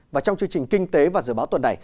và trong chương trình kinh tế và dự báo tuần này